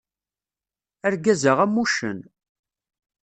Argaz-a am wuccen.